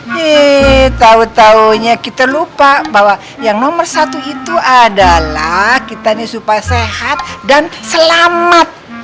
yee tau taunya kita lupa bahwa yang nomor satu itu adalah kita nih supaya sehat dan selamat